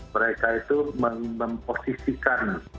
mereka itu memposisikan